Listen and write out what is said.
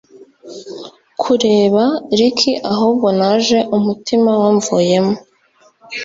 kureba Ricky ahubwo naje umutima wamvuyemo